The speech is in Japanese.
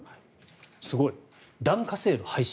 すごい、檀家制度廃止。